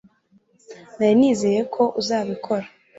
nari nizeye ko uzabikora